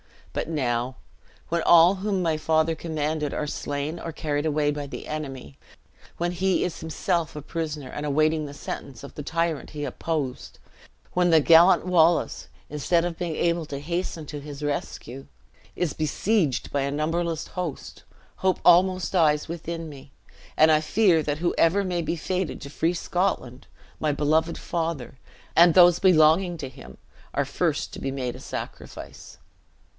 But now, when all whom my father commanded are slain or carried away by the enemy, when he is himself a prisoner, and awaiting the sentence of the tyrant he opposed, when the gallant Wallace, instead of being able to hasten to his rescue, is besieged by a numberless host, hope almost dies within me, and I fear that whoever may be fated to free Scotland, my beloved father, and those belonging to him are first to be made a sacrifice."